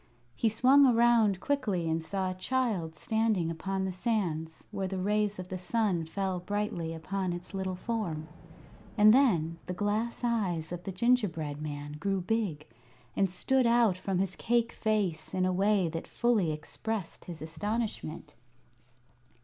He swung around quickly and saw a child standing upon the sands, where the rays of the sun fell brightly upon its little form. And then the glass eyes of the gingerbread man grew big, and stood out from his cake face in a way that fully expressed his astonishment.